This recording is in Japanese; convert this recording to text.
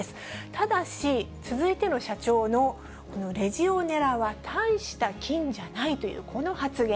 ただし、続いての社長の、レジオネラは大した菌じゃないというこの発言。